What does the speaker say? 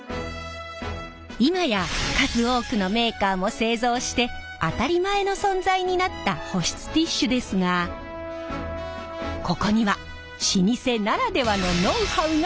今や数多くのメーカーも製造して当たり前の存在になった保湿ティッシュですがここには老舗ならではのノウハウが詰まっているんです。